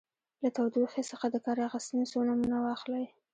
له تودوخې څخه د کار اخیستنې څو نومونه واخلئ.